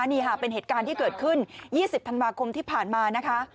นี่ค่ะเป็นเหตุการณ์ที่เกิดขึ้น๒๐ธันวาคมที่ผ่านมานะคะ